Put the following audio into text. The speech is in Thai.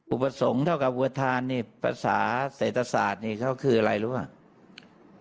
อุปสรรคเท่ากับอวทานนี่ภาษาเศรษฐศาสตร์นี่เขาคืออะไรรู้ป่ะ